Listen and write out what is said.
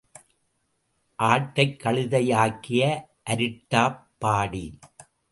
ஆட்டைக் கழுதையாக்கிய அரிட்டாப் பாடி.